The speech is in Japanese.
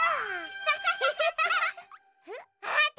アハハハッ。